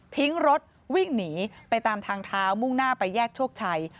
ทิ้งรถวิ่งหนีไปตามทางเท้ามุ่งหน้าไปแยกโชคชัย